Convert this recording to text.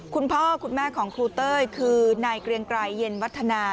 คุณพ่อคุณแม่ของครูเต้ยคือนายเกรียงไกรเย็นวัฒนา